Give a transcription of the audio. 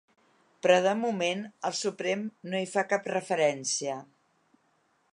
Però de moment el Suprem no hi fa cap referència.